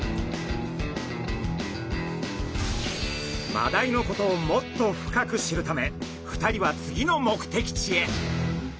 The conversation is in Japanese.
マダイのことをもっと深く知るため２人は次の目的地へ。